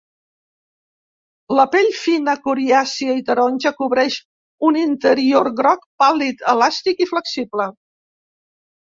La pell fina, coriàcia i taronja cobreix un interior groc pàl·lid, elàstic i flexible.